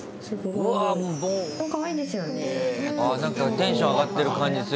何かテンション上がってる感じする。